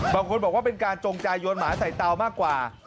บางคนบอกว่าเป็นการจงใจโยนหมาใส่เตามากกว่า